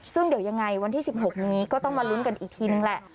ซึ่งเดี๋ยวยังไงวันที่๑๖นี้ก็ต้องมาลุ้นกันอีกทีนึงแหละ